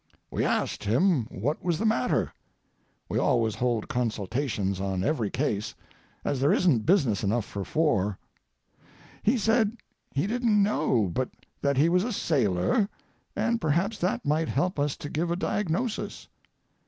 We asked him what was the matter. We always hold consultations on every case, as there isn't business enough for four. He said he didn't know, but that he was a sailor, and perhaps that might help us to give a diagnosis.